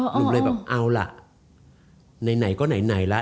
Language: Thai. หนูเลยแบบเอาล่ะไหนก็ไหนล่ะ